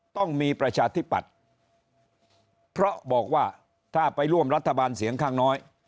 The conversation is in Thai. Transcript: ต้องมีประชาธิปัตย์เพราะบอกว่าถ้าไปร่วมรัฐบาลเสียงข้างน้อย